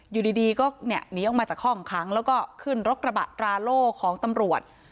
อยู่ดีก็หนีออกมาจากห้องค้างแล้วก็ขึ้นรถกระบะตราโล่ของตำรวจ